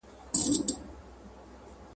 هیڅوک پوه نه سول جنګ د چا وو توري چا راوړي ..